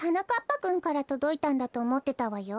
ぱくんからとどいたんだとおもってたわよ。